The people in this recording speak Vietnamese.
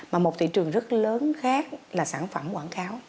mà một thị trường rất lớn khác là sản phẩm quảng cáo